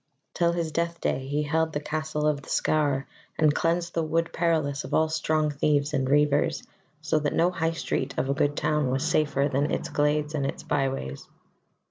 Till his deathday he held the Castle of the Scaur, and cleansed the Wood Perilous of all strong thieves and reivers, so that no high street of a good town was safer than its glades and its byways.